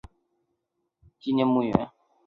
提欧多洛现在在拿坡里拥有一个纪念墓园。